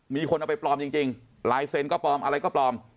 มีคนเอาไปปลอมจริงลายเซ็นต์ก็ปลอมอะไรก็ปลอม